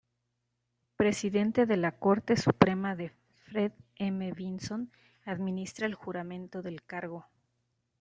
Presidente de la Corte Suprema de Fred M. Vinson administra el juramento del cargo.